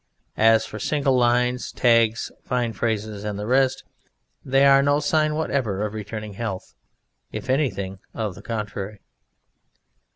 As for single lines, tags, fine phrases, and the rest, they are no sign whatever of returning health, if anything of the contrary."